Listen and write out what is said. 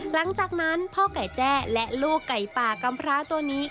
หลังจากนั้นพ่อไก่แจ้และลูกไก่ป่ากำพร้าตัวนี้